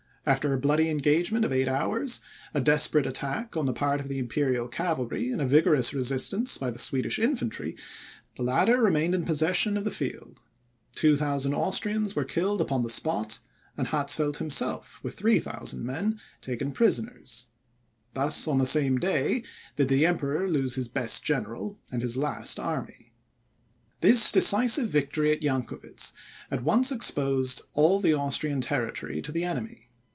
After a bloody engagement of eight hours, a desperate attack on the part of the Imperial cavalry, and a vigorous resistance by the Swedish infantry, the latter remained in possession of the field. 2,000 Austrians were killed upon the spot, and Hatzfeldt himself, with 3,000 men, taken prisoners. Thus, on the same day, did the Emperor lose his best general and his last army. This decisive victory at Jancowitz, at once exposed all the Austrian territory to the enemy.